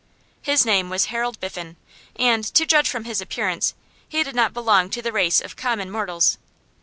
His name was Harold Biffen, and, to judge from his appearance, he did not belong to the race of common mortals.